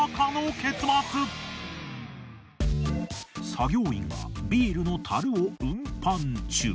作業員がビールの樽を運搬中。